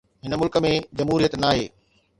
هن ملڪ ۾ جمهوريت ناهي.